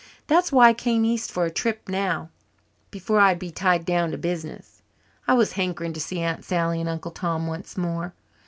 That's why I came east for a trip now before I'd be tied down to business. I was hankering to see Aunt Sally and Uncle Tom once more.